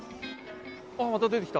あっ、また出てきた。